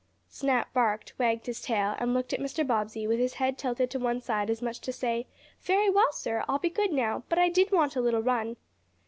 Snap barked, wagged his tail, and looked at Mr. Bobbsey with his head tilted to one side as much as to say: "Very well sir. I'll be good now. But I did want a little run."